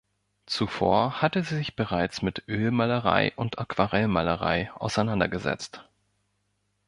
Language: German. Zuvor hatte sie sich bereits mit Ölmalerei und Aquarellmalerei auseinandergesetzt.